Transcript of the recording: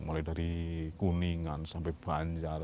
mulai dari kuningan sampai banjar